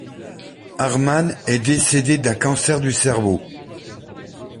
Harman est décédé d'un cancer du cerveau.